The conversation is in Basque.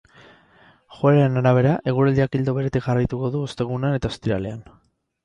Joeraren arabera, eguraldiak ildo beretik jarraituko du ostegunean eta ostiralean.